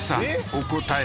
お答え